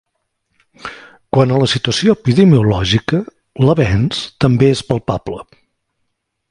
Quant a la situació epidemiològica, l’avenç també és palpable.